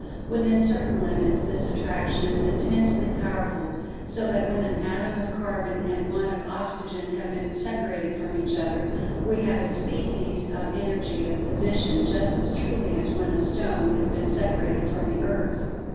Within certain limits, this attraction is intensely powerful, so that when an atom of carbon and one of oxygen have been separated from each other, we have a species of energy of position just as truly as when a stone has been separated from the earth.